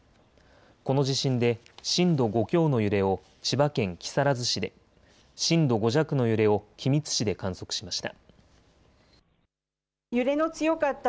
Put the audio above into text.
この地震で震度５強の揺れを千葉県木更津市で、震度５弱の揺れを君津市で観測しました。